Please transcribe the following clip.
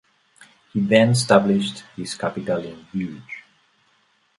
He then established his capital in Guge.